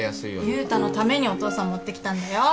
悠太のためにお父さん持ってきたんだよ。